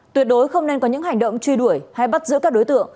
tuyệt đối không nên có những hành động truy đuổi hay bắt giữ các đối tượng